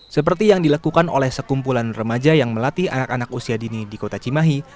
seperti yang dilakukan oleh sekumpulan remaja yang melatih anak anak usia dini di kota cimahi